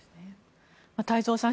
太蔵さん